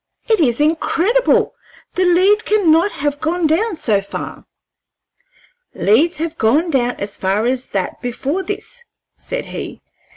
It is incredible! The lead cannot have gone down so far!" "Leads have gone down as far as that before this," said he.